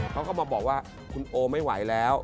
เขาก็มาบอกว่าคุณโอไม่ไหวแล้ว